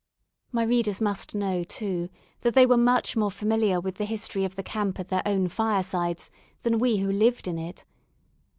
My readers must know, too, that they were much more familiar with the history of the camp at their own firesides, than we who lived in it.